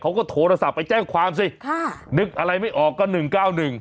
เขาก็โทรศัพท์ไปแจ้งความสิค่ะนึกอะไรไม่ออกก็หนึ่งเก้าหนึ่ง